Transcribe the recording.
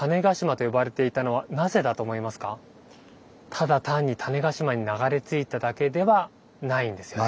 ただ単に種子島に流れ着いただけではないんですよね。